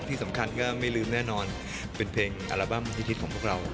ที่สำคัญก็ไม่ลืมแน่นอนเป็นเพลงอัลบั้มฮิตของพวกเรา